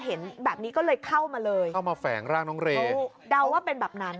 เห็นแบบนี้ก็เลยเข้ามาเลยเดาว่าเป็นแบบนั้น